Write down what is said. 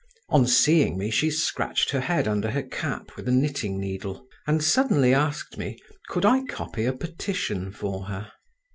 On seeing me she scratched her head under her cap with a knitting needle, and suddenly asked me, could I copy a petition for her.